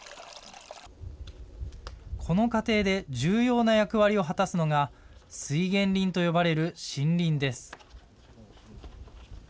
この過程で重要な役割を果たすのが水源林と呼ばれる森林です。